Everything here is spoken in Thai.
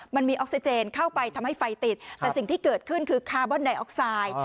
มันมีออกซิเจนเข้าไปทำให้ไฟติดแต่สิ่งที่เกิดขึ้นคือคาร์บอนไดออกไซด์